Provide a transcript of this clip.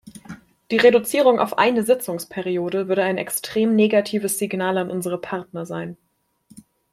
Die Reduzierung auf eine Sitzungsperiode würde ein extrem negatives Signal an unsere Partner sein.